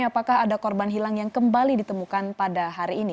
apakah ada korban hilang yang kembali ditemukan pada hari ini